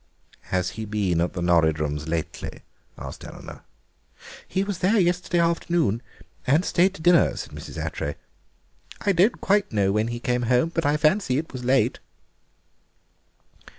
"Has he been at the Norridrums lately?" asked Eleanor. "He was there yesterday afternoon and stayed to dinner," said Mrs. Attray. "I don't quite know when he came home, but I fancy it was late."